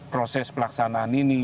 proses pelaksanaan ini